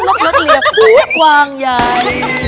เลือกเรียบมื่มกวางใหญ่